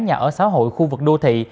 nhà ở xã hội khu vực đô thị